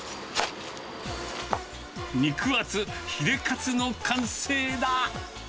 肉厚、ヒレカツの完成だ。